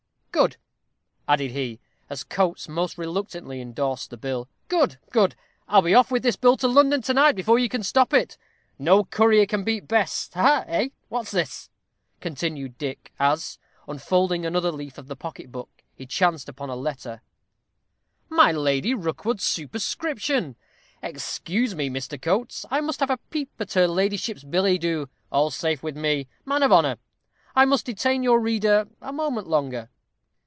Good!" added he, as Coates most reluctantly indorsed the bill. "Good! good! I'll be off with this bill to London to night, before you can stop it. No courier can beat Bess ha, ha! Eh! what's this?" continued Dick, as, unfolding another leaf of the pocket book, he chanced upon a letter; "My Lady Rookwood's superscription! Excuse me, Mr. Coates, I must have a peep at her ladyship's billet doux. All's safe with me man of honor. I must detain your reader a moment longer."